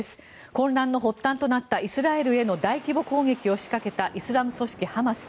混乱の発端となったイスラエルへの大規模攻撃を仕掛けたイスラム組織ハマス。